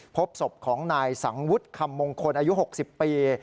พบศพของนายสังวุฒิคำมงคลอายุ๖๐ปี